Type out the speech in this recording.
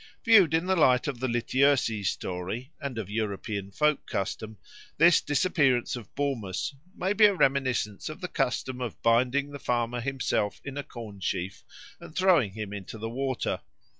Viewed in the light of the Lityerses story and of European folk custom, this disappearance of Bormus may be a reminiscence of the custom of binding the farmer himself in a corn sheaf and throwing him into the water.